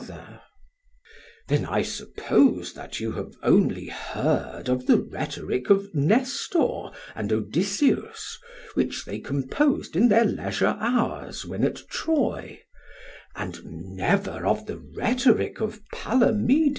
SOCRATES: Then I suppose that you have only heard of the rhetoric of Nestor and Odysseus, which they composed in their leisure hours when at Troy, and never of the rhetoric of Palamedes?